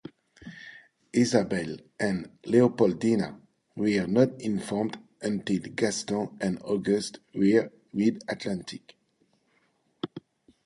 Isabel and Leopoldina were not informed until Gaston and August were mid-Atlantic.